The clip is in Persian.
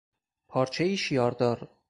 پارچهای شیاردار